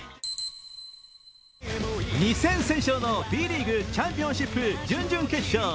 ２戦先勝のＢリーグチャンピオンシップ準々決勝。